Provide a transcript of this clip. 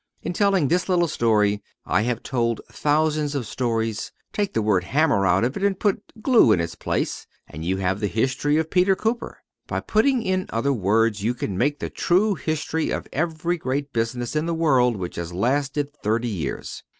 In telling this little story, I have told thousands of stories. Take the word hammer out of it, and put glue in its place, and you have the history of Peter Cooper. By putting in other words, you can make the true history of every great business in the world which has lasted thirty years.